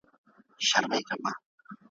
معلم وویل بزګر ته چي دا ولي ,